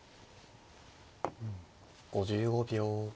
５５秒。